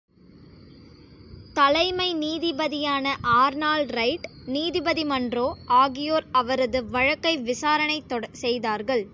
தலைமை நீதிபதியான ஆர்னால் ரைட், நீதிபதி மன்றோ ஆகியோர் அவரது வழக்கை விசாரணை செய்தார்கள்.